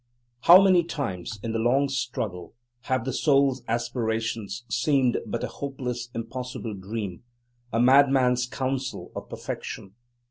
How many times in the long struggle have the Soul's aspirations seemed but a hopeless, impossible dream, a madman's counsel of perfection.